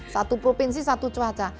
satu provinsi satu cuaca